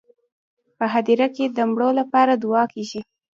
په هدیره کې د مړو لپاره دعا کیږي.